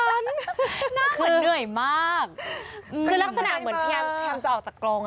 สงสัยน่าเกินเหนื่อยมากคือลักษณะเหมือนแพมแพมจะออกจากกรง